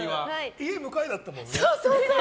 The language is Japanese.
家、向かいだったもんね。